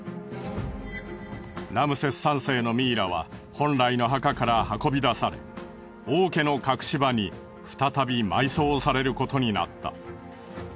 ラムセス３世のミイラは本来の墓から運び出され王家の隠し場に再び埋葬されることになった。